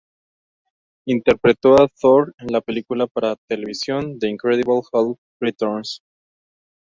Interpretó a Thor en la película para televisión "The Incredible Hulk Returns".